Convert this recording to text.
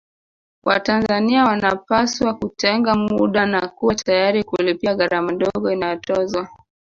Watanzania wanapaswa kutenga muda na kuwa tayari kulipia gharama ndogo inayotozwa